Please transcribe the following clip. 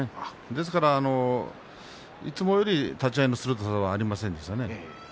ですから、いつもより立ち合いの鋭さがありませんでした。